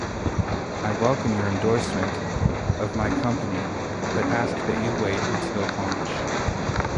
I welcome your endorsement of my company, but ask that you wait until launch.